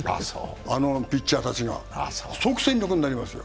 あのピッチャーたちが即戦力になりますよ。